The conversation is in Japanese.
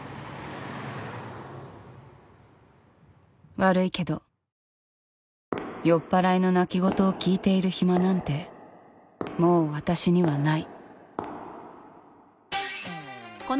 悪いけど酔っ払いの泣き言を聞いている暇なんてもう私にはない。